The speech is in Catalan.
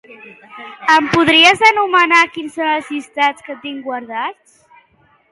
Em podries enumerar quins són els llistats que tinc guardats?